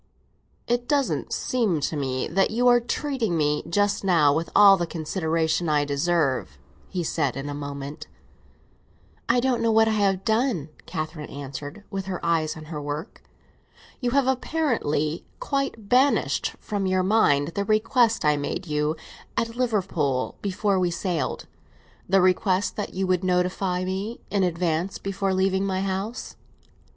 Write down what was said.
"It doesn't seem to me that you are treating me just now with all the consideration I deserve," he said in a moment. "I don't know what I have done," Catherine answered, with her eyes on her work. "You have apparently quite banished from your mind the request I made you at Liverpool, before we sailed; the request that you would notify me in advance before leaving my house."